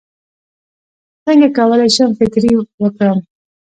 څنګه کولی شم فطرې ورکړم